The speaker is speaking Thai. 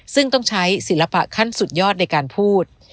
ซึ่งต้องใช้ศิลปะขั้นสุดยอดในการพูด